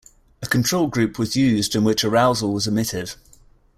A control group was used in which arousal was omitted.